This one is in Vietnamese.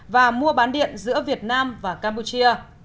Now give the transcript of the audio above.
và mua bán điện giữa việt nam và campuchia